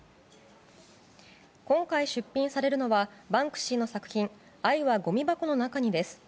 今回、出品されるのはバンクシーの作品「愛はごみ箱の中に」です。